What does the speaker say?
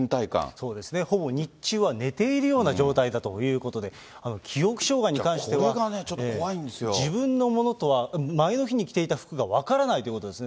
そうですね、ほぼ日中は寝ているような状態だということで、これがね、ちょっと怖いんで自分のものとは、前の日に着ていた服が分からないということですね。